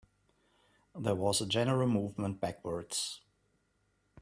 There was a general movement backwards.